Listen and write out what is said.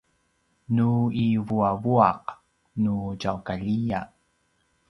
nu i vuavuaq nu tjaukaljiya